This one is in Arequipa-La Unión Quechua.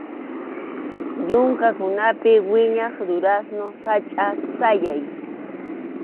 Yunkakunapi wiñaq durazno sachʼa sayay.